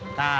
gak enak ya